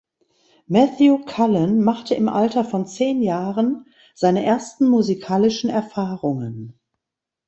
Matthew Cullen machte im Alter von zehn Jahren seine ersten musikalischen Erfahrungen.